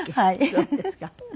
そうですか。